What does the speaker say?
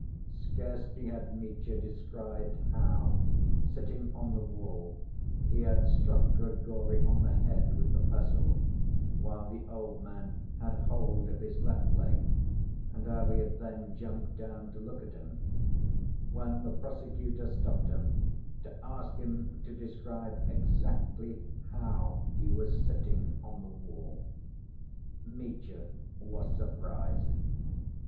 Scarcely had Mitya described how, sitting on the wall, he had struck Grigory on the head with the pestle, while the old man had hold of his left leg, and how he had then jumped down to look at him, when the prosecutor stopped him to ask him to describe exactly how he was sitting on the wall. Mitya was surprised.